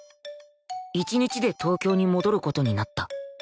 １日で東京に戻る事になった